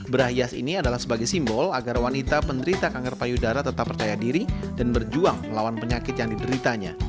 berah hias ini adalah sebagai simbol agar wanita penderita kanker payudara tetap percaya diri dan berjuang melawan penyakit yang dideritanya